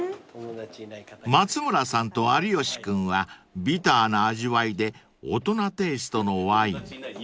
［松村さんと有吉君はビターな味わいで大人テイストのワイン］